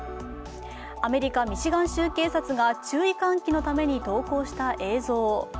アメリカ・ミシガン州警察が注意喚起のために投稿した映像。